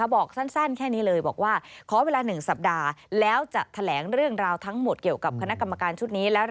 บอกสั้นแค่นี้เลยบอกว่าขอเวลา๑สัปดาห์แล้วจะแถลงเรื่องราวทั้งหมดเกี่ยวกับคณะกรรมการชุดนี้แล้ว